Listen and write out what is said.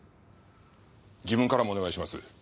自分からもお願いします。